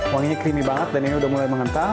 wanginya creamy banget dan ini udah mulai mengental